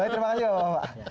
tapi terima kasih bapak bapak